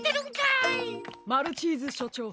マルチーズしょちょう。